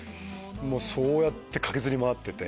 そうやって駆けずり回ってて。